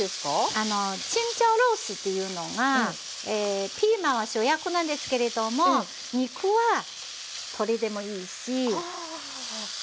あのチンジャオロースーっていうのがピーマンは主役なんですけれども肉は鶏でもいいし牛肉でも。